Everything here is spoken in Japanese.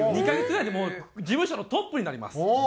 ２カ月ぐらいでもう事務所のトップになります。